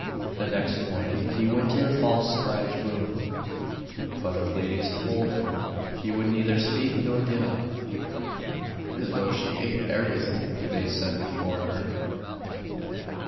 The next morning he went to the false bride's room, but her ladies told him she would neither speak nor get up, though she ate everything they set before her.